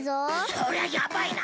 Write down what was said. そりゃやばいな。